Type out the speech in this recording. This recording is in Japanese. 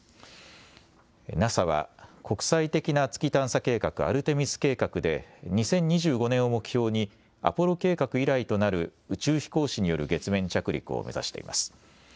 ＮＡＳＡは、国際的な月探査計画、アルテミス計画で、２０２５年を目標にアポロ計画以来となる宇宙飛行士による月面着陸を目指しています。